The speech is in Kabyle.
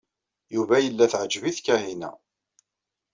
Yuba yella teɛǧeb-it Kahina.